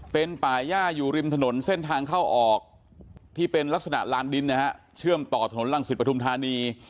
เป็นป่าย่าอยู่ริมถนนเส้นทางเข้าออกที่เป็นลักษณะลานดินนะฮะเชื่อมต่อถนนรังสิตปฐุมธานี